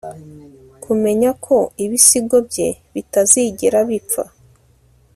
kumenya ko ibisigo bye bitazigera bipfa